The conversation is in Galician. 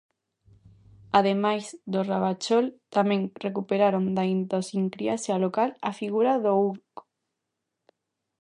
Ademais do Ravachol, tamén recuperaron da idiosincrasia local a figura do Urco.